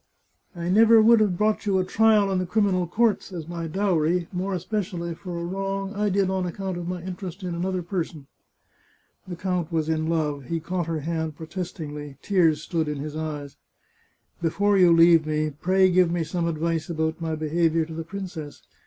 I never would have brought you a trial in the criminal courts as my dowry, more espe cially for a wrong I did on account of my interest in another person." The count was in love. He caught her hand protest ingly; tears stood in his eyes. " Before you leave me, pray give me some advice about my behaviour to the princess.